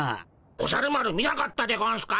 おじゃる丸見なかったでゴンスか？